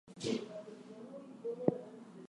Cosmic Ghost Rider chose the day Thanos was born.